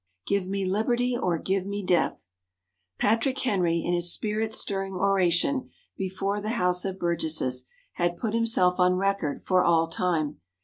Give me Liberty or Give me Death! Patrick Henry, in his spirit stirring oration before the House of Burgesses, had put himself on record for all time.